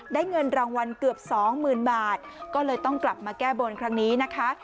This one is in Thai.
เงินรางวัลเกือบสองหมื่นบาทก็เลยต้องกลับมาแก้บนครั้งนี้นะคะ